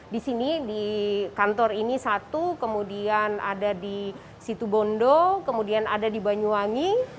di sini di kantor ini satu kemudian ada di situ bondo kemudian ada di banyuwangi